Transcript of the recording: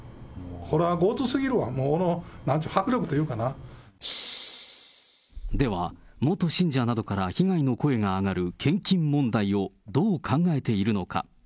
これはごっつ過ぎるわ、なんちゅう、では、元信者などから被害の声が上がる献金問題をどう考えているのか。